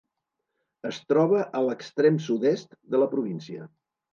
Es troba a l'extrem sud-est de la província.